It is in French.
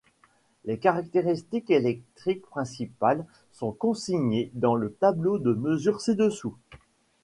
Les caractéristiques électriques principales sont consignées dans le tableau de mesures ci-dessous.